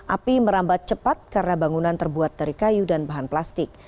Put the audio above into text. api merambat cepat karena bangunan terbuat dari kayu dan bahan plastik